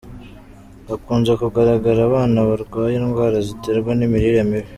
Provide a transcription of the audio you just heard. Hakunze kugaragara abana barwaye indwara ziterwa n’imirire mibi.